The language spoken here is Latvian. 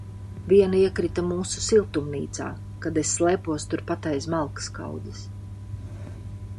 Viena iekrita mūsu siltumnīcā, kad es slēpos turpat aiz malkas kaudzes.